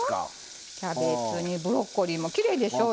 キャベツにブロッコリーもきれいでしょ？